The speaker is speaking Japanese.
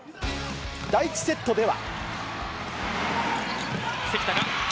第１セットでは。